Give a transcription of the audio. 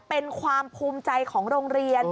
เป็นความภูมิใจของโรงเรียน